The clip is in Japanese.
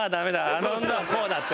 「あの女はこうだ」って。